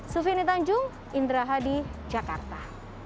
sufini tanjung indra hadi jakarta